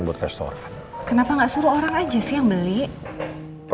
boleh berpikir sama si penjen sedang saling nyob